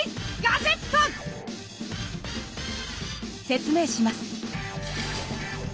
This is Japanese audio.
説明します。